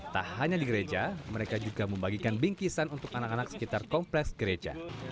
tak hanya di gereja mereka juga membagikan bingkisan untuk anak anak sekitar kompleks gereja